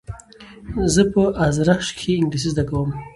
زه په ازرخش کښي انګلېسي زده کوم.